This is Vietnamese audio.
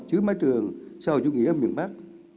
dưới mái trường xã hội chủ nghĩa miền bắc